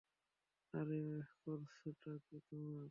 আরে করছোটা কী তোমরা?